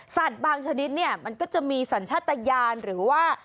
บางชนิดเนี่ยมันก็จะมีสัญชาติยานหรือว่า